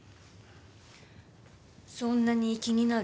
そんなに気になる？